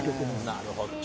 なるほど。